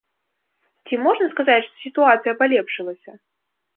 Ці можна сказаць, што сітуацыя палепшылася?